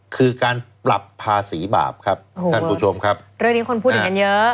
คือการปรับภาษีบาปครับท่านผู้ชมครับเรื่องนี้คนพูดถึงกันเยอะ